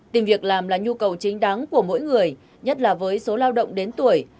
tìm việc làm là nhu cầu chính đáng của mỗi người nhất là với số lao động đến tuổi